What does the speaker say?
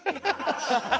ハハハハッ！